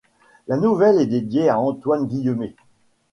La nouvelle est dédiée à Antoine Guillemet.